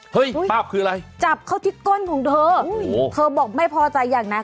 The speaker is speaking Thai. เฮ้ยปั๊บคืออะไรจับเข้าที่ก้นของเธอโอ้โหเธอบอกไม่พอใจอย่างนั้น